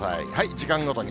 時間ごとに。